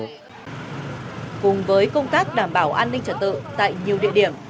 cùng với công tác đảm bảo an ninh trật tự tại nhiều địa điểm